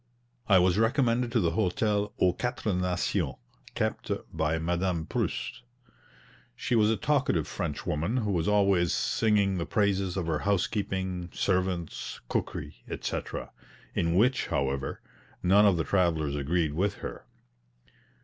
I was recommended to the hotel "Aux Quatre Nations," kept by Madame Prust. She was a talkative French woman, who was always singing the praises of her housekeeping, servants, cookery, etc., in which, however, none of the travellers agreed with her.